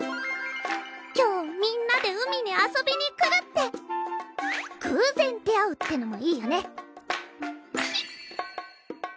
今日みんなで海に遊びに来るって偶然出会うってのもいいよねイヒッ